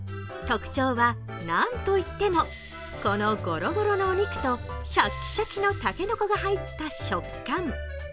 特徴は、なんといってもこのゴロゴロのお肉とシャキシャキのたけのこが入った食感。